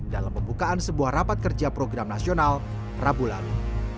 dalam pembukaan sebuah rapat kerja program nasional rabu lalu